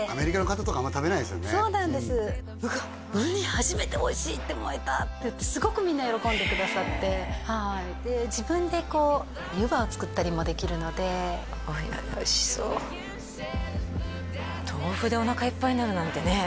初めておいしいって思えた」って言ってすごくみんな喜んでくださってで自分でこう湯葉を作ったりもできるのでおいしそう豆腐でおなかいっぱいになるなんてね